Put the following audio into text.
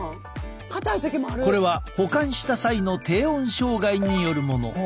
これは保管した際の低温障害によるもの。